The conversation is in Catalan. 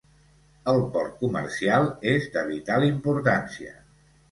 El port comercial és de vital importància.